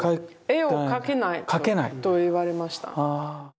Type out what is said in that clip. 絵を描けないと言われました。